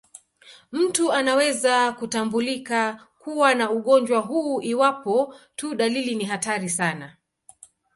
Mtu anaweza kutambulika kuwa na ugonjwa huu iwapo tu dalili ni hatari sana.